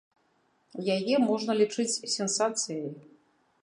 Яе можна лічыць сенсацыяй.